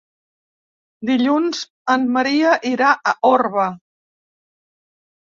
Dilluns en Maria irà a Orba.